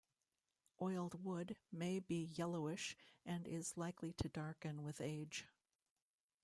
Oiled wood may be yellowish and is likely to darken with age.